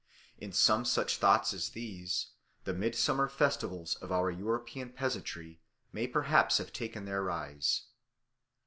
In some such thoughts as these the midsummer festivals of our European peasantry may perhaps have taken their rise.